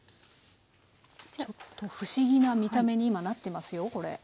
ちょっと不思議な見た目に今なってますよこれ。